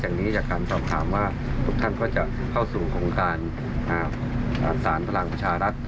อย่างนี้จากการสอบถามว่าทุกท่านก็จะเข้าสู่โครงการสารพลังประชารัฐ